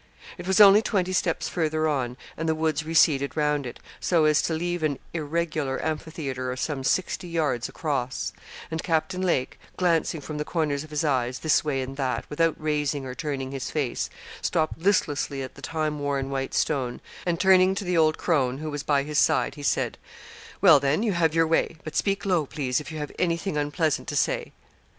It was only twenty steps further on, and the woods receded round it, so as to leave an irregular amphitheatre of some sixty yards across; and Captain Lake, glancing from the corners of his eyes, this way and that, without raising or turning his face, stopped listlessly at the time worn white stone, and turning to the old crone, who was by his side, he said, 'Well, then, you have your way; but speak low, please, if you have anything unpleasant to say.'